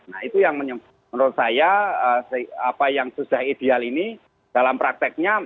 nah itu yang menurut saya apa yang sudah ideal ini dalam prakteknya